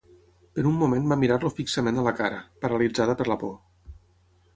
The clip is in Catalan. Per un moment va mirar-lo fixament a la cara, paralitzada per la por.